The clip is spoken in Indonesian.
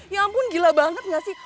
ya ampun gila banget gak sih